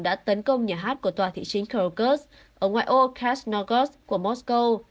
đã tấn công nhà hát của tòa thị chính krakow ở ngoài ô krasnogorsk của moscow